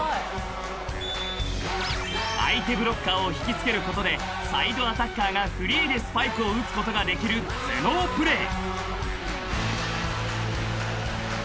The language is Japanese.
［相手ブロッカーを引きつけることでサイドアタッカーがフリーでスパイクを打つことができる頭脳プレー］